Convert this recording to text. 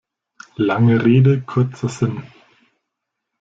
Lange Rede, kurzer Sinn.